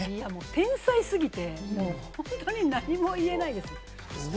天才すぎて何も言えないです。